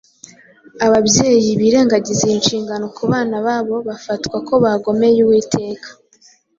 Ababyeyi birengagizaga iyi nshingano ku bana babo bafatwaga ko bagomeye Uwiteka.